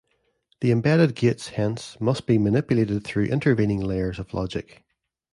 The embedded gates, hence, must be manipulated through intervening layers of logic.